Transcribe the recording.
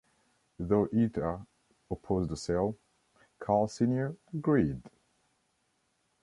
Though Etta opposed the sale, Carl Senior agreed.